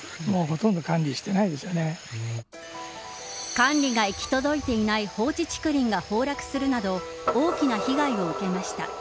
管理が行き届いていない放置竹林が崩落するなど大きな被害を受けました。